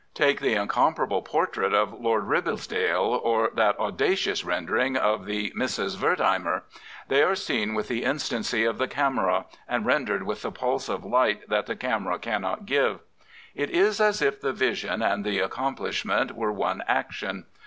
Take the incom parable portrait of " Lord Ribblesdale," or that audacious rendering of the " Misses Wertheimer.' ' They are seen with the insi^ancy of the camera and rendered with the pulse of life that the camera cannot give. It is as if the vision and the accomplishment were one action.